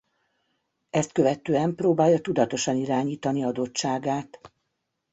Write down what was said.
Ezt követően próbálja tudatosan irányítani adottságát.